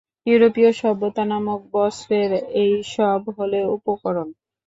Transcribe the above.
ইউরোপী সভ্যতা নামক বস্ত্রের এই সব হল উপকরণ।